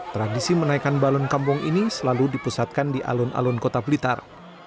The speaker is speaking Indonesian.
tradisi menaikan balon kampung ini selalu dipusatkan di alun alun kota blitar